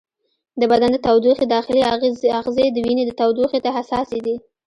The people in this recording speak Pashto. د بدن د تودوخې داخلي آخذې د وینې تودوخې ته حساسې دي.